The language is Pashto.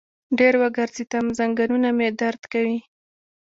ډېر وګرځیدم، زنګنونه مې درد کوي